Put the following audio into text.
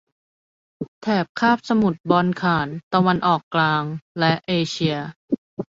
แถบคาบสมุทรบอลข่าน ตะวันออกกลาง และเอเชีย